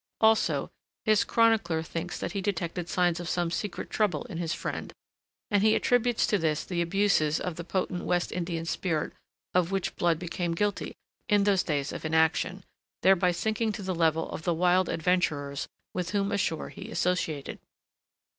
Also, his chronicler thinks that he detected signs of some secret trouble in his friend, and he attributes to this the abuses of the potent West Indian spirit of which Blood became guilty in those days of inaction, thereby sinking to the level of the wild adventurers with whom ashore he associated.